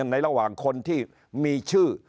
ระหว่างคนที่มีชื่อ